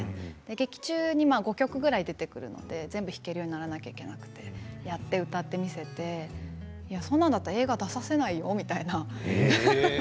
劇中に５曲ぐらい出てくるので全部弾けるようにならなければいけなくてやって歌って見せてそんなだと映画出せないよ、みたいな。